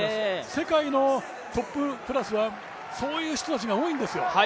世界のトップクラスは、そういう人たちが多いんですよ。